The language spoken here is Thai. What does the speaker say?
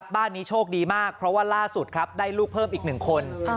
บ้านนี้โชคดีมากเพราะว่าล่าสุดครับได้ลูกเพิ่มอีก๑คน